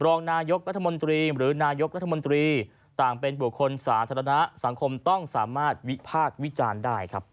รองนายกรัฐมนตรีหรือนายกรัฐมนตรีต่างเป็นบุคคลสาธารณะสังคมต้องสามารถวิพากษ์วิจารณ์ได้ครับ